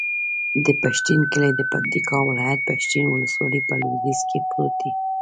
د پښتین کلی د پکتیکا ولایت، پښتین ولسوالي په لویدیځ کې پروت دی.